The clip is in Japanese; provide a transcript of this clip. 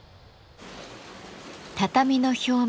畳の表面